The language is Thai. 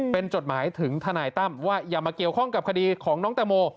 เป็นจดหมายถึงทนายตั้มว่าอย่ามาเกี่ยวข้องกับคดีของน้องแตงโม